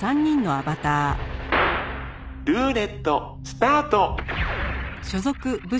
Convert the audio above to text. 「ルーレットスタート！」